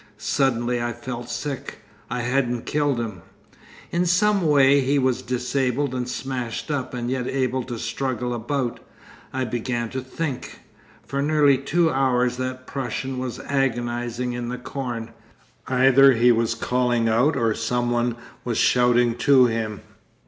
Suddenly I felt sick. I hadn't killed him.... 'In some way he was disabled and smashed up and yet able to struggle about. I began to think.... 'For nearly two hours that Prussian was agonising in the corn. Either he was calling out or some one was shouting to him....